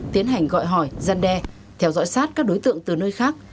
tiến hành gọi hỏi gian đe theo dõi sát các đối tượng từ nơi khác